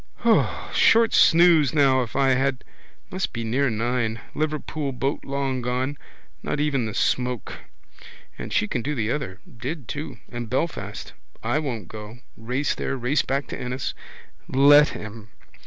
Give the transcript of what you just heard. Short snooze now if I had. Must be near nine. Liverpool boat long gone. Not even the smoke. And she can do the other. Did too. And Belfast. I won't go. Race there, race back to Ennis. Let him.